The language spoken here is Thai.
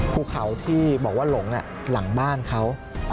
ภูเขาที่บอกว่าหลงหลังบ้านเขา